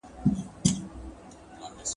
• چي مرگى سته ښادي نسته.